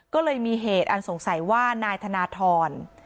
ก็เลยมีเหตุอันสงสัยว่านายธนทร